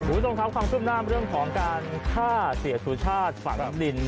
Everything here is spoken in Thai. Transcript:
หมู่ตรงเค้าความคืบหน้าเรื่องของการฏาเสียสุชาติฝั่งลิน